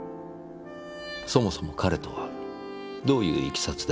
そもそも彼とはどういういきさつでお知り合いに？